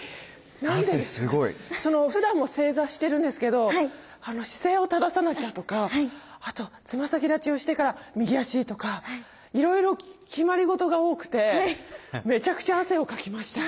汗すごい。ふだんも正座してるんですけど姿勢を正さなきゃとかあとつま先立ちをしてから右足とかいろいろ決まり事が多くてめちゃくちゃ汗をかきました。